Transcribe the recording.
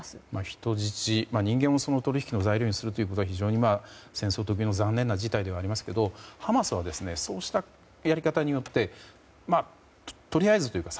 人質、人間を取引の材料にするということは非常に戦争の現実として残念な事態ではありますけどハマスはそうしたやり方によってとりあえずというか